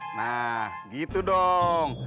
nah gitu dong